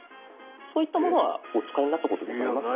そういったものはお使いになったことございますか？